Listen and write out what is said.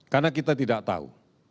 karena kita tidak tahu